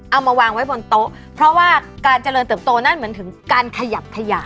เอามาวางไว้บนโต๊ะเพราะว่าการเจริญเติบโตนั่นเหมือนถึงการขยับขยะ